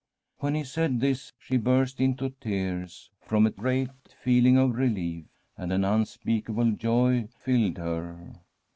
When he said this she burst into tears, from a freat feeling of relief, and an unspeakable joy lied her.